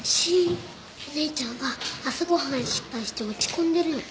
お姉ちゃんは朝ご飯失敗して落ち込んでるの。